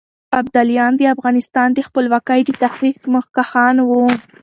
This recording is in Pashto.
ابداليان د افغانستان د خپلواکۍ د تحريک مخکښان وو.